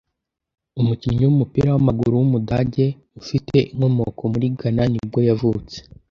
umukinnyi w’umupira w’amaguru w’umudage ufite inkomoko muri Ghana nibwo yavutse